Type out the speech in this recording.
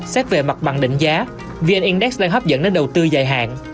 xét về mặt bằng đỉnh giá vn index đang hấp dẫn đến đầu tư dài hạn